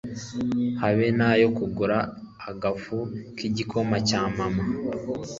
habe nayo kugura agafu kigikoma cya mama